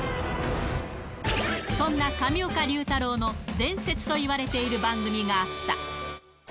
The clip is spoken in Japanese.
そんな上岡龍太郎の、伝説といわれている番組があった。